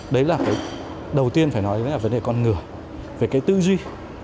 đấy là cái đầu tiên phải nói là vấn đề con ngừa về cái tư duy